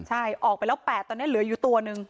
ใช่ออกไปแล้ว๘ตอนนี้เหลืออยู่ตัวหนึ่ง